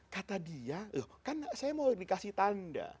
kata dia loh kan saya mau dikasih tanda